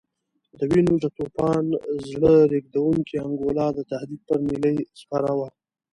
د وینو د توپان زړه رېږدونکې انګولا د تهدید پر نیلۍ سپره وه.